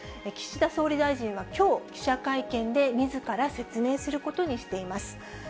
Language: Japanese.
岸田総理大臣はきょう、記者会見でみずから、説明することにしています。